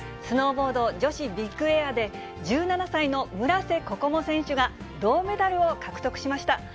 スノーボード女子ビッグエアで、１７歳の村瀬心椛選手が銅メダルを獲得しました。